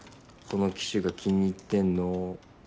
この機種が気に入ってんの。